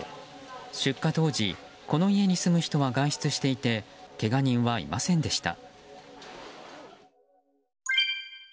出火当時、この家に住む人は外出していてけが人はいませんでした。